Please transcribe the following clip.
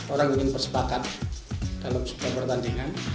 orang ingin bersepakat dalam sebuah pertandingan